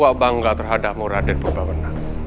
aku bangga terhadapmu raden pemba benang